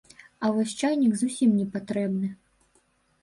А вось чайнік зусім не патрэбны.